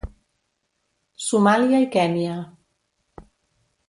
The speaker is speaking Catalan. Somàlia i Kenya.